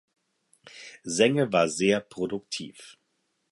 Senge war sehr produktiv.